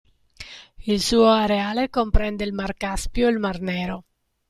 Il suo areale comprende il Mar Caspio e il Mar Nero.